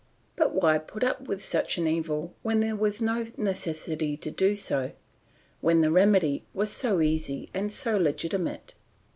But why put up with such an evil when there was no necessity to do so, when the remedy was so easy and so legitimate?